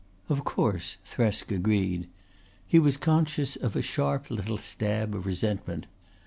"Of course," Thresk agreed. He was conscious of a sharp little stab of resentment.